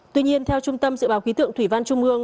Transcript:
tuy nhiên theo trung tâm dự báo khí tượng thủy văn trung ương